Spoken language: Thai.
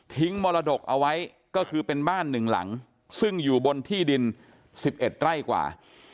มรดกเอาไว้ก็คือเป็นบ้านหนึ่งหลังซึ่งอยู่บนที่ดิน๑๑ไร่กว่า